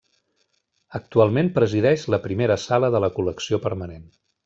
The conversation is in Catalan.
Actualment presideix la primera sala de la col·lecció permanent.